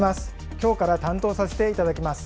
きょうから担当させていただきます。